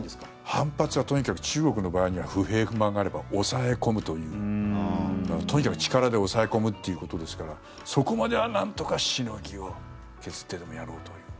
反発はとにかく中国の場合は不平不満があれば抑え込むとにかく力で抑え込むということですからそこまではなんとかしのぎを削ってでもやろうという。